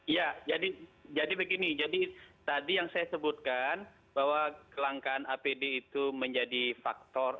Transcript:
ya jadi begini jadi tadi yang saya sebutkan bahwa kelangkaan apd itu menjadi faktor